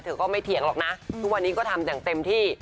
ก็ไม่เถียงหรอกนะทุกวันนี้ก็ทำอย่างเต็มที่